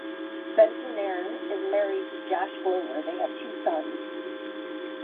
Spencer-Nairn is married to Josh Glover, they have two sons.